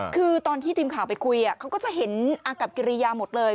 คือตอนที่ทีมข่าวไปคุยเขาก็จะเห็นอากับกิริยาหมดเลย